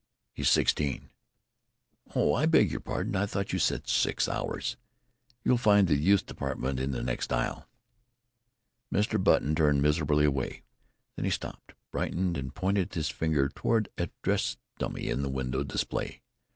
"He's sixteen." "Oh, I beg your pardon. I thought you said six hours. You'll find the youths' department in the next aisle." Mr. Button turned miserably away. Then he stopped, brightened, and pointed his finger toward a dressed dummy in the window display.